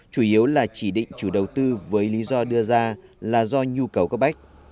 chủ yếu là chỉ định chủ đầu tư với lý do đưa ra là do nhu cầu cấp bách